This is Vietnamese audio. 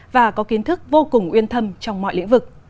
và có kiến thức vô cùng uyên thâm trong mọi lĩnh vực